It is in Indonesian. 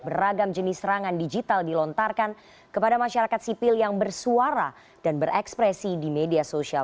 beragam jenis serangan digital dilontarkan kepada masyarakat sipil yang bersuara dan berekspresi di media sosial